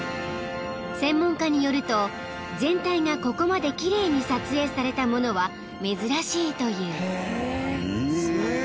［専門家によると全体がここまで奇麗に撮影されたものは珍しいという］